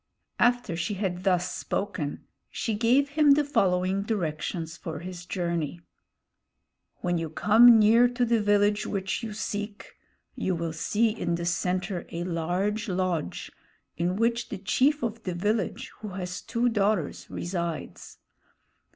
After she had thus spoken, she gave him the following directions for his journey: "When you come near to the village which you seek, you will see in the center a large lodge, in which the chief of the village, who has two daughters, resides.